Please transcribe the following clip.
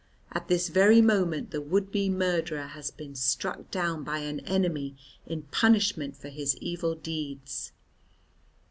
At this very moment the would be murderer has been struck down by an enemy in punishment for his evil deeds."